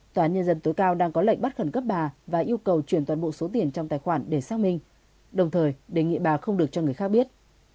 tòa nhân dân tối cao đang có lệnh bắt khẩn cấp bà và yêu cầu chuyển toàn bộ số tiền trong tài khoản để xác minh đồng thời đề nghị bà không được cho người khác biết